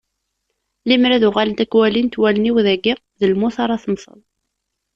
Lemmer ad uɣalent ad k-walint wallen-iw dagi, d lmut ara temmteḍ.